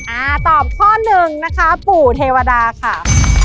อ่าตอบข้อหนึ่งนะคะปู่เทวดาค่ะ